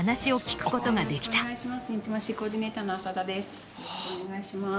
よろしくお願いします。